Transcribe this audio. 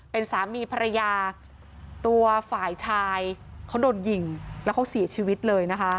เป็นสามีภรรยาตัวฝ่ายชายเขาโดนยิงแล้วเขาเสียชีวิตเลยนะคะ